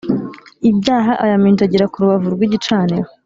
Ibyaha ayaminjagire ku rubavu rw igicaniro